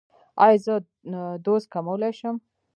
ایا زه دوز کمولی شم؟